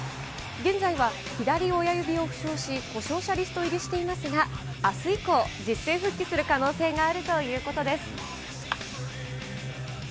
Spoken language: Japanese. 現在は左親指を負傷し、故障者リスト入りしていますが、あす以降、実戦復帰する可能性があるということです。